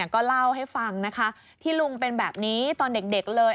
ก็เล่าให้ฟังนะคะที่ลุงเป็นแบบนี้ตอนเด็กเลย